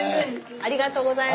ありがとうございます。